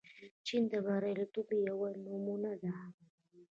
چین د بریالیتوب یوه نمونه ده.